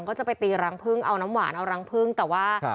ก็จะไปตีรังพึ่งเอาน้ำหวานเอารังพึ่งแต่ว่า